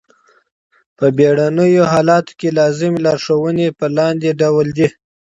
په بېړنیو حالاتو کي لازمي لارښووني په لاندي ډول دي.